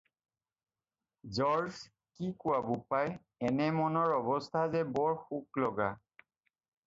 "George, কি কোৱা, বোপাই, এনে মনৰ অৱস্থা যে বৰ শোক লগা।"